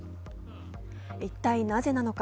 一体なぜなのか？